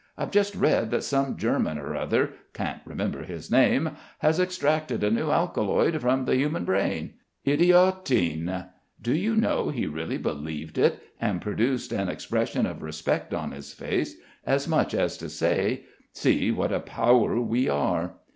I've just read that some German or other can't remember his name has extracted a new alkaloid from the human brain idiotine.' Do you know he really believed it, and produced an expression of respect on his face, as much as to say, 'See, what a power we are.'"